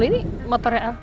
ini motornya al